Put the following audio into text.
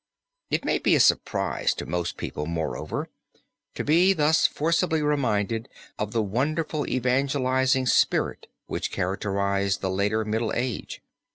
It may be a surprise to most people, moreover, to be thus forcibly reminded of the wonderful evangelizing spirit which characterized the later middle age.